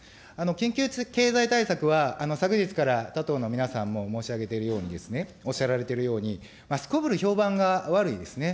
緊急経済対策は、昨日から他党の皆さんも申し上げているようにですね、おっしゃられているように、すこぶる評判が悪いですね。